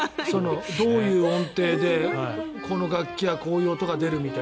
どういう音程で、この楽器はこういう音が出るとか。